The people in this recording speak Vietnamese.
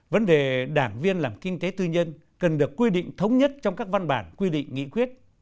vấn đề đảng viên làm kinh tế tư nhân cần được quy định thống nhất trong các văn bản quy định nghị quyết